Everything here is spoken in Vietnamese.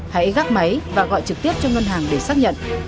hãy gác máy và gọi trực tiếp cho ngân hàng để xác nhận